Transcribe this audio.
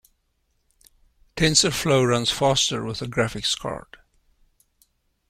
Tensorflow runs faster with a graphics card.